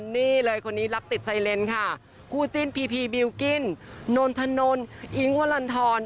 นี่เลยคนนี้รักติดไซเลนค่ะคู่จิ้นพีพีบิลกิ้นนนทนนอิงวลันทร